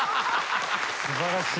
・素晴らしい。